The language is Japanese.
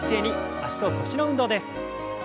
脚と腰の運動です。